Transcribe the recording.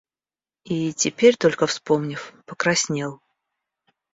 И, теперь только вспомнив, покраснел.